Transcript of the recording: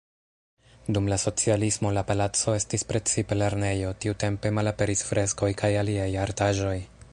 Dum la socialismo la palaco estis precipe lernejo, tiutempe malaperis freskoj kaj aliaj artaĵoj.